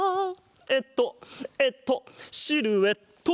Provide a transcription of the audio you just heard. えっとえっとシルエット！